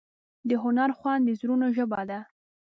د هنر خوند د زړونو ژبه ده.